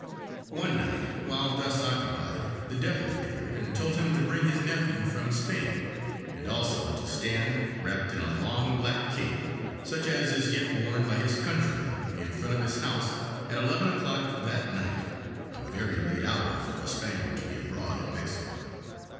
One night while thus occupied the devil appeared and told him to bring his nephew from Spain, and also to stand, wrapped in a long black cape, such as is yet worn by his countrymen, in front of his house at eleven o'clock that night (a very late hour for a Spaniard to be abroad in Mexico).